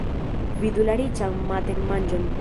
Vidu la riĉan matenmanĝon.